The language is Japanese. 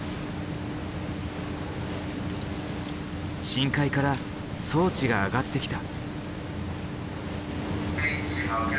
深海から装置が上がってきた。